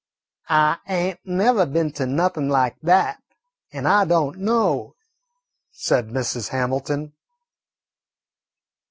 "I ain't nevah been to nothin' lak dat, an' I don't know," said Mrs. Hamilton.